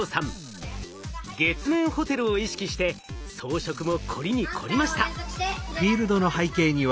月面ホテルを意識して装飾も凝りに凝りました。